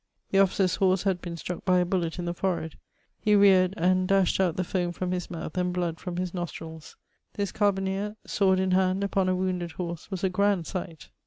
The officer's horse had been struck by a bullet in the forehead ; he reared and dashed out the foam from his mouth and blood from his nostrils : this carbineer, sword in hand, upon a wounded horse, was a grand sight.